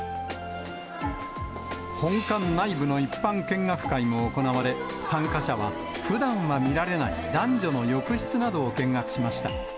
本館内部の一般見学会も行われ、参加者はふだんは見られない男女の浴室などを見学しました。